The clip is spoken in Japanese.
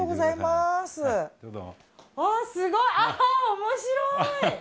すごい！面白い！